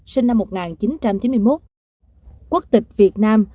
sinh năm một nghìn chín trăm chín mươi một quốc tịch việt nam